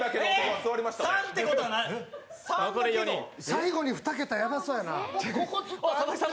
最後に２桁やばそうやな。